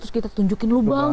terus kita tunjukin lubang